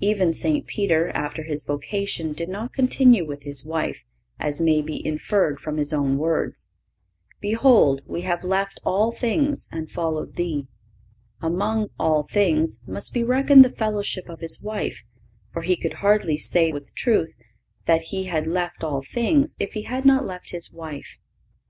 Even St. Peter, after his vocation, did not continue with his wife, as may be inferred from his own words: "Behold, we have left all things, and followed Thee."(518) Among "all things" must be reckoned the fellowship of his wife, for he could hardly say with truth that he had left all things if he had not left his wife.